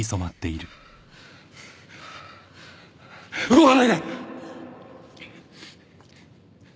動かないで。